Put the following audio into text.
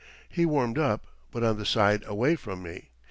He warmed up, but on the side away from me.